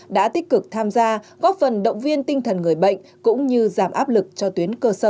đã tích cực tham gia góp phần động viên tinh thần người bệnh cũng như giảm áp lực cho tuyến cơ sở